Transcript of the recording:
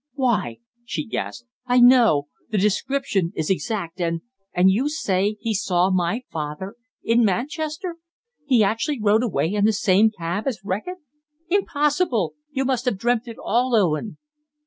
"Why," she gasped, "I know! The description is exact. And and you say he saw my father in Manchester! He actually rode away in the same cab as Reckitt! Impossible! You must have dreamt it all, Owen."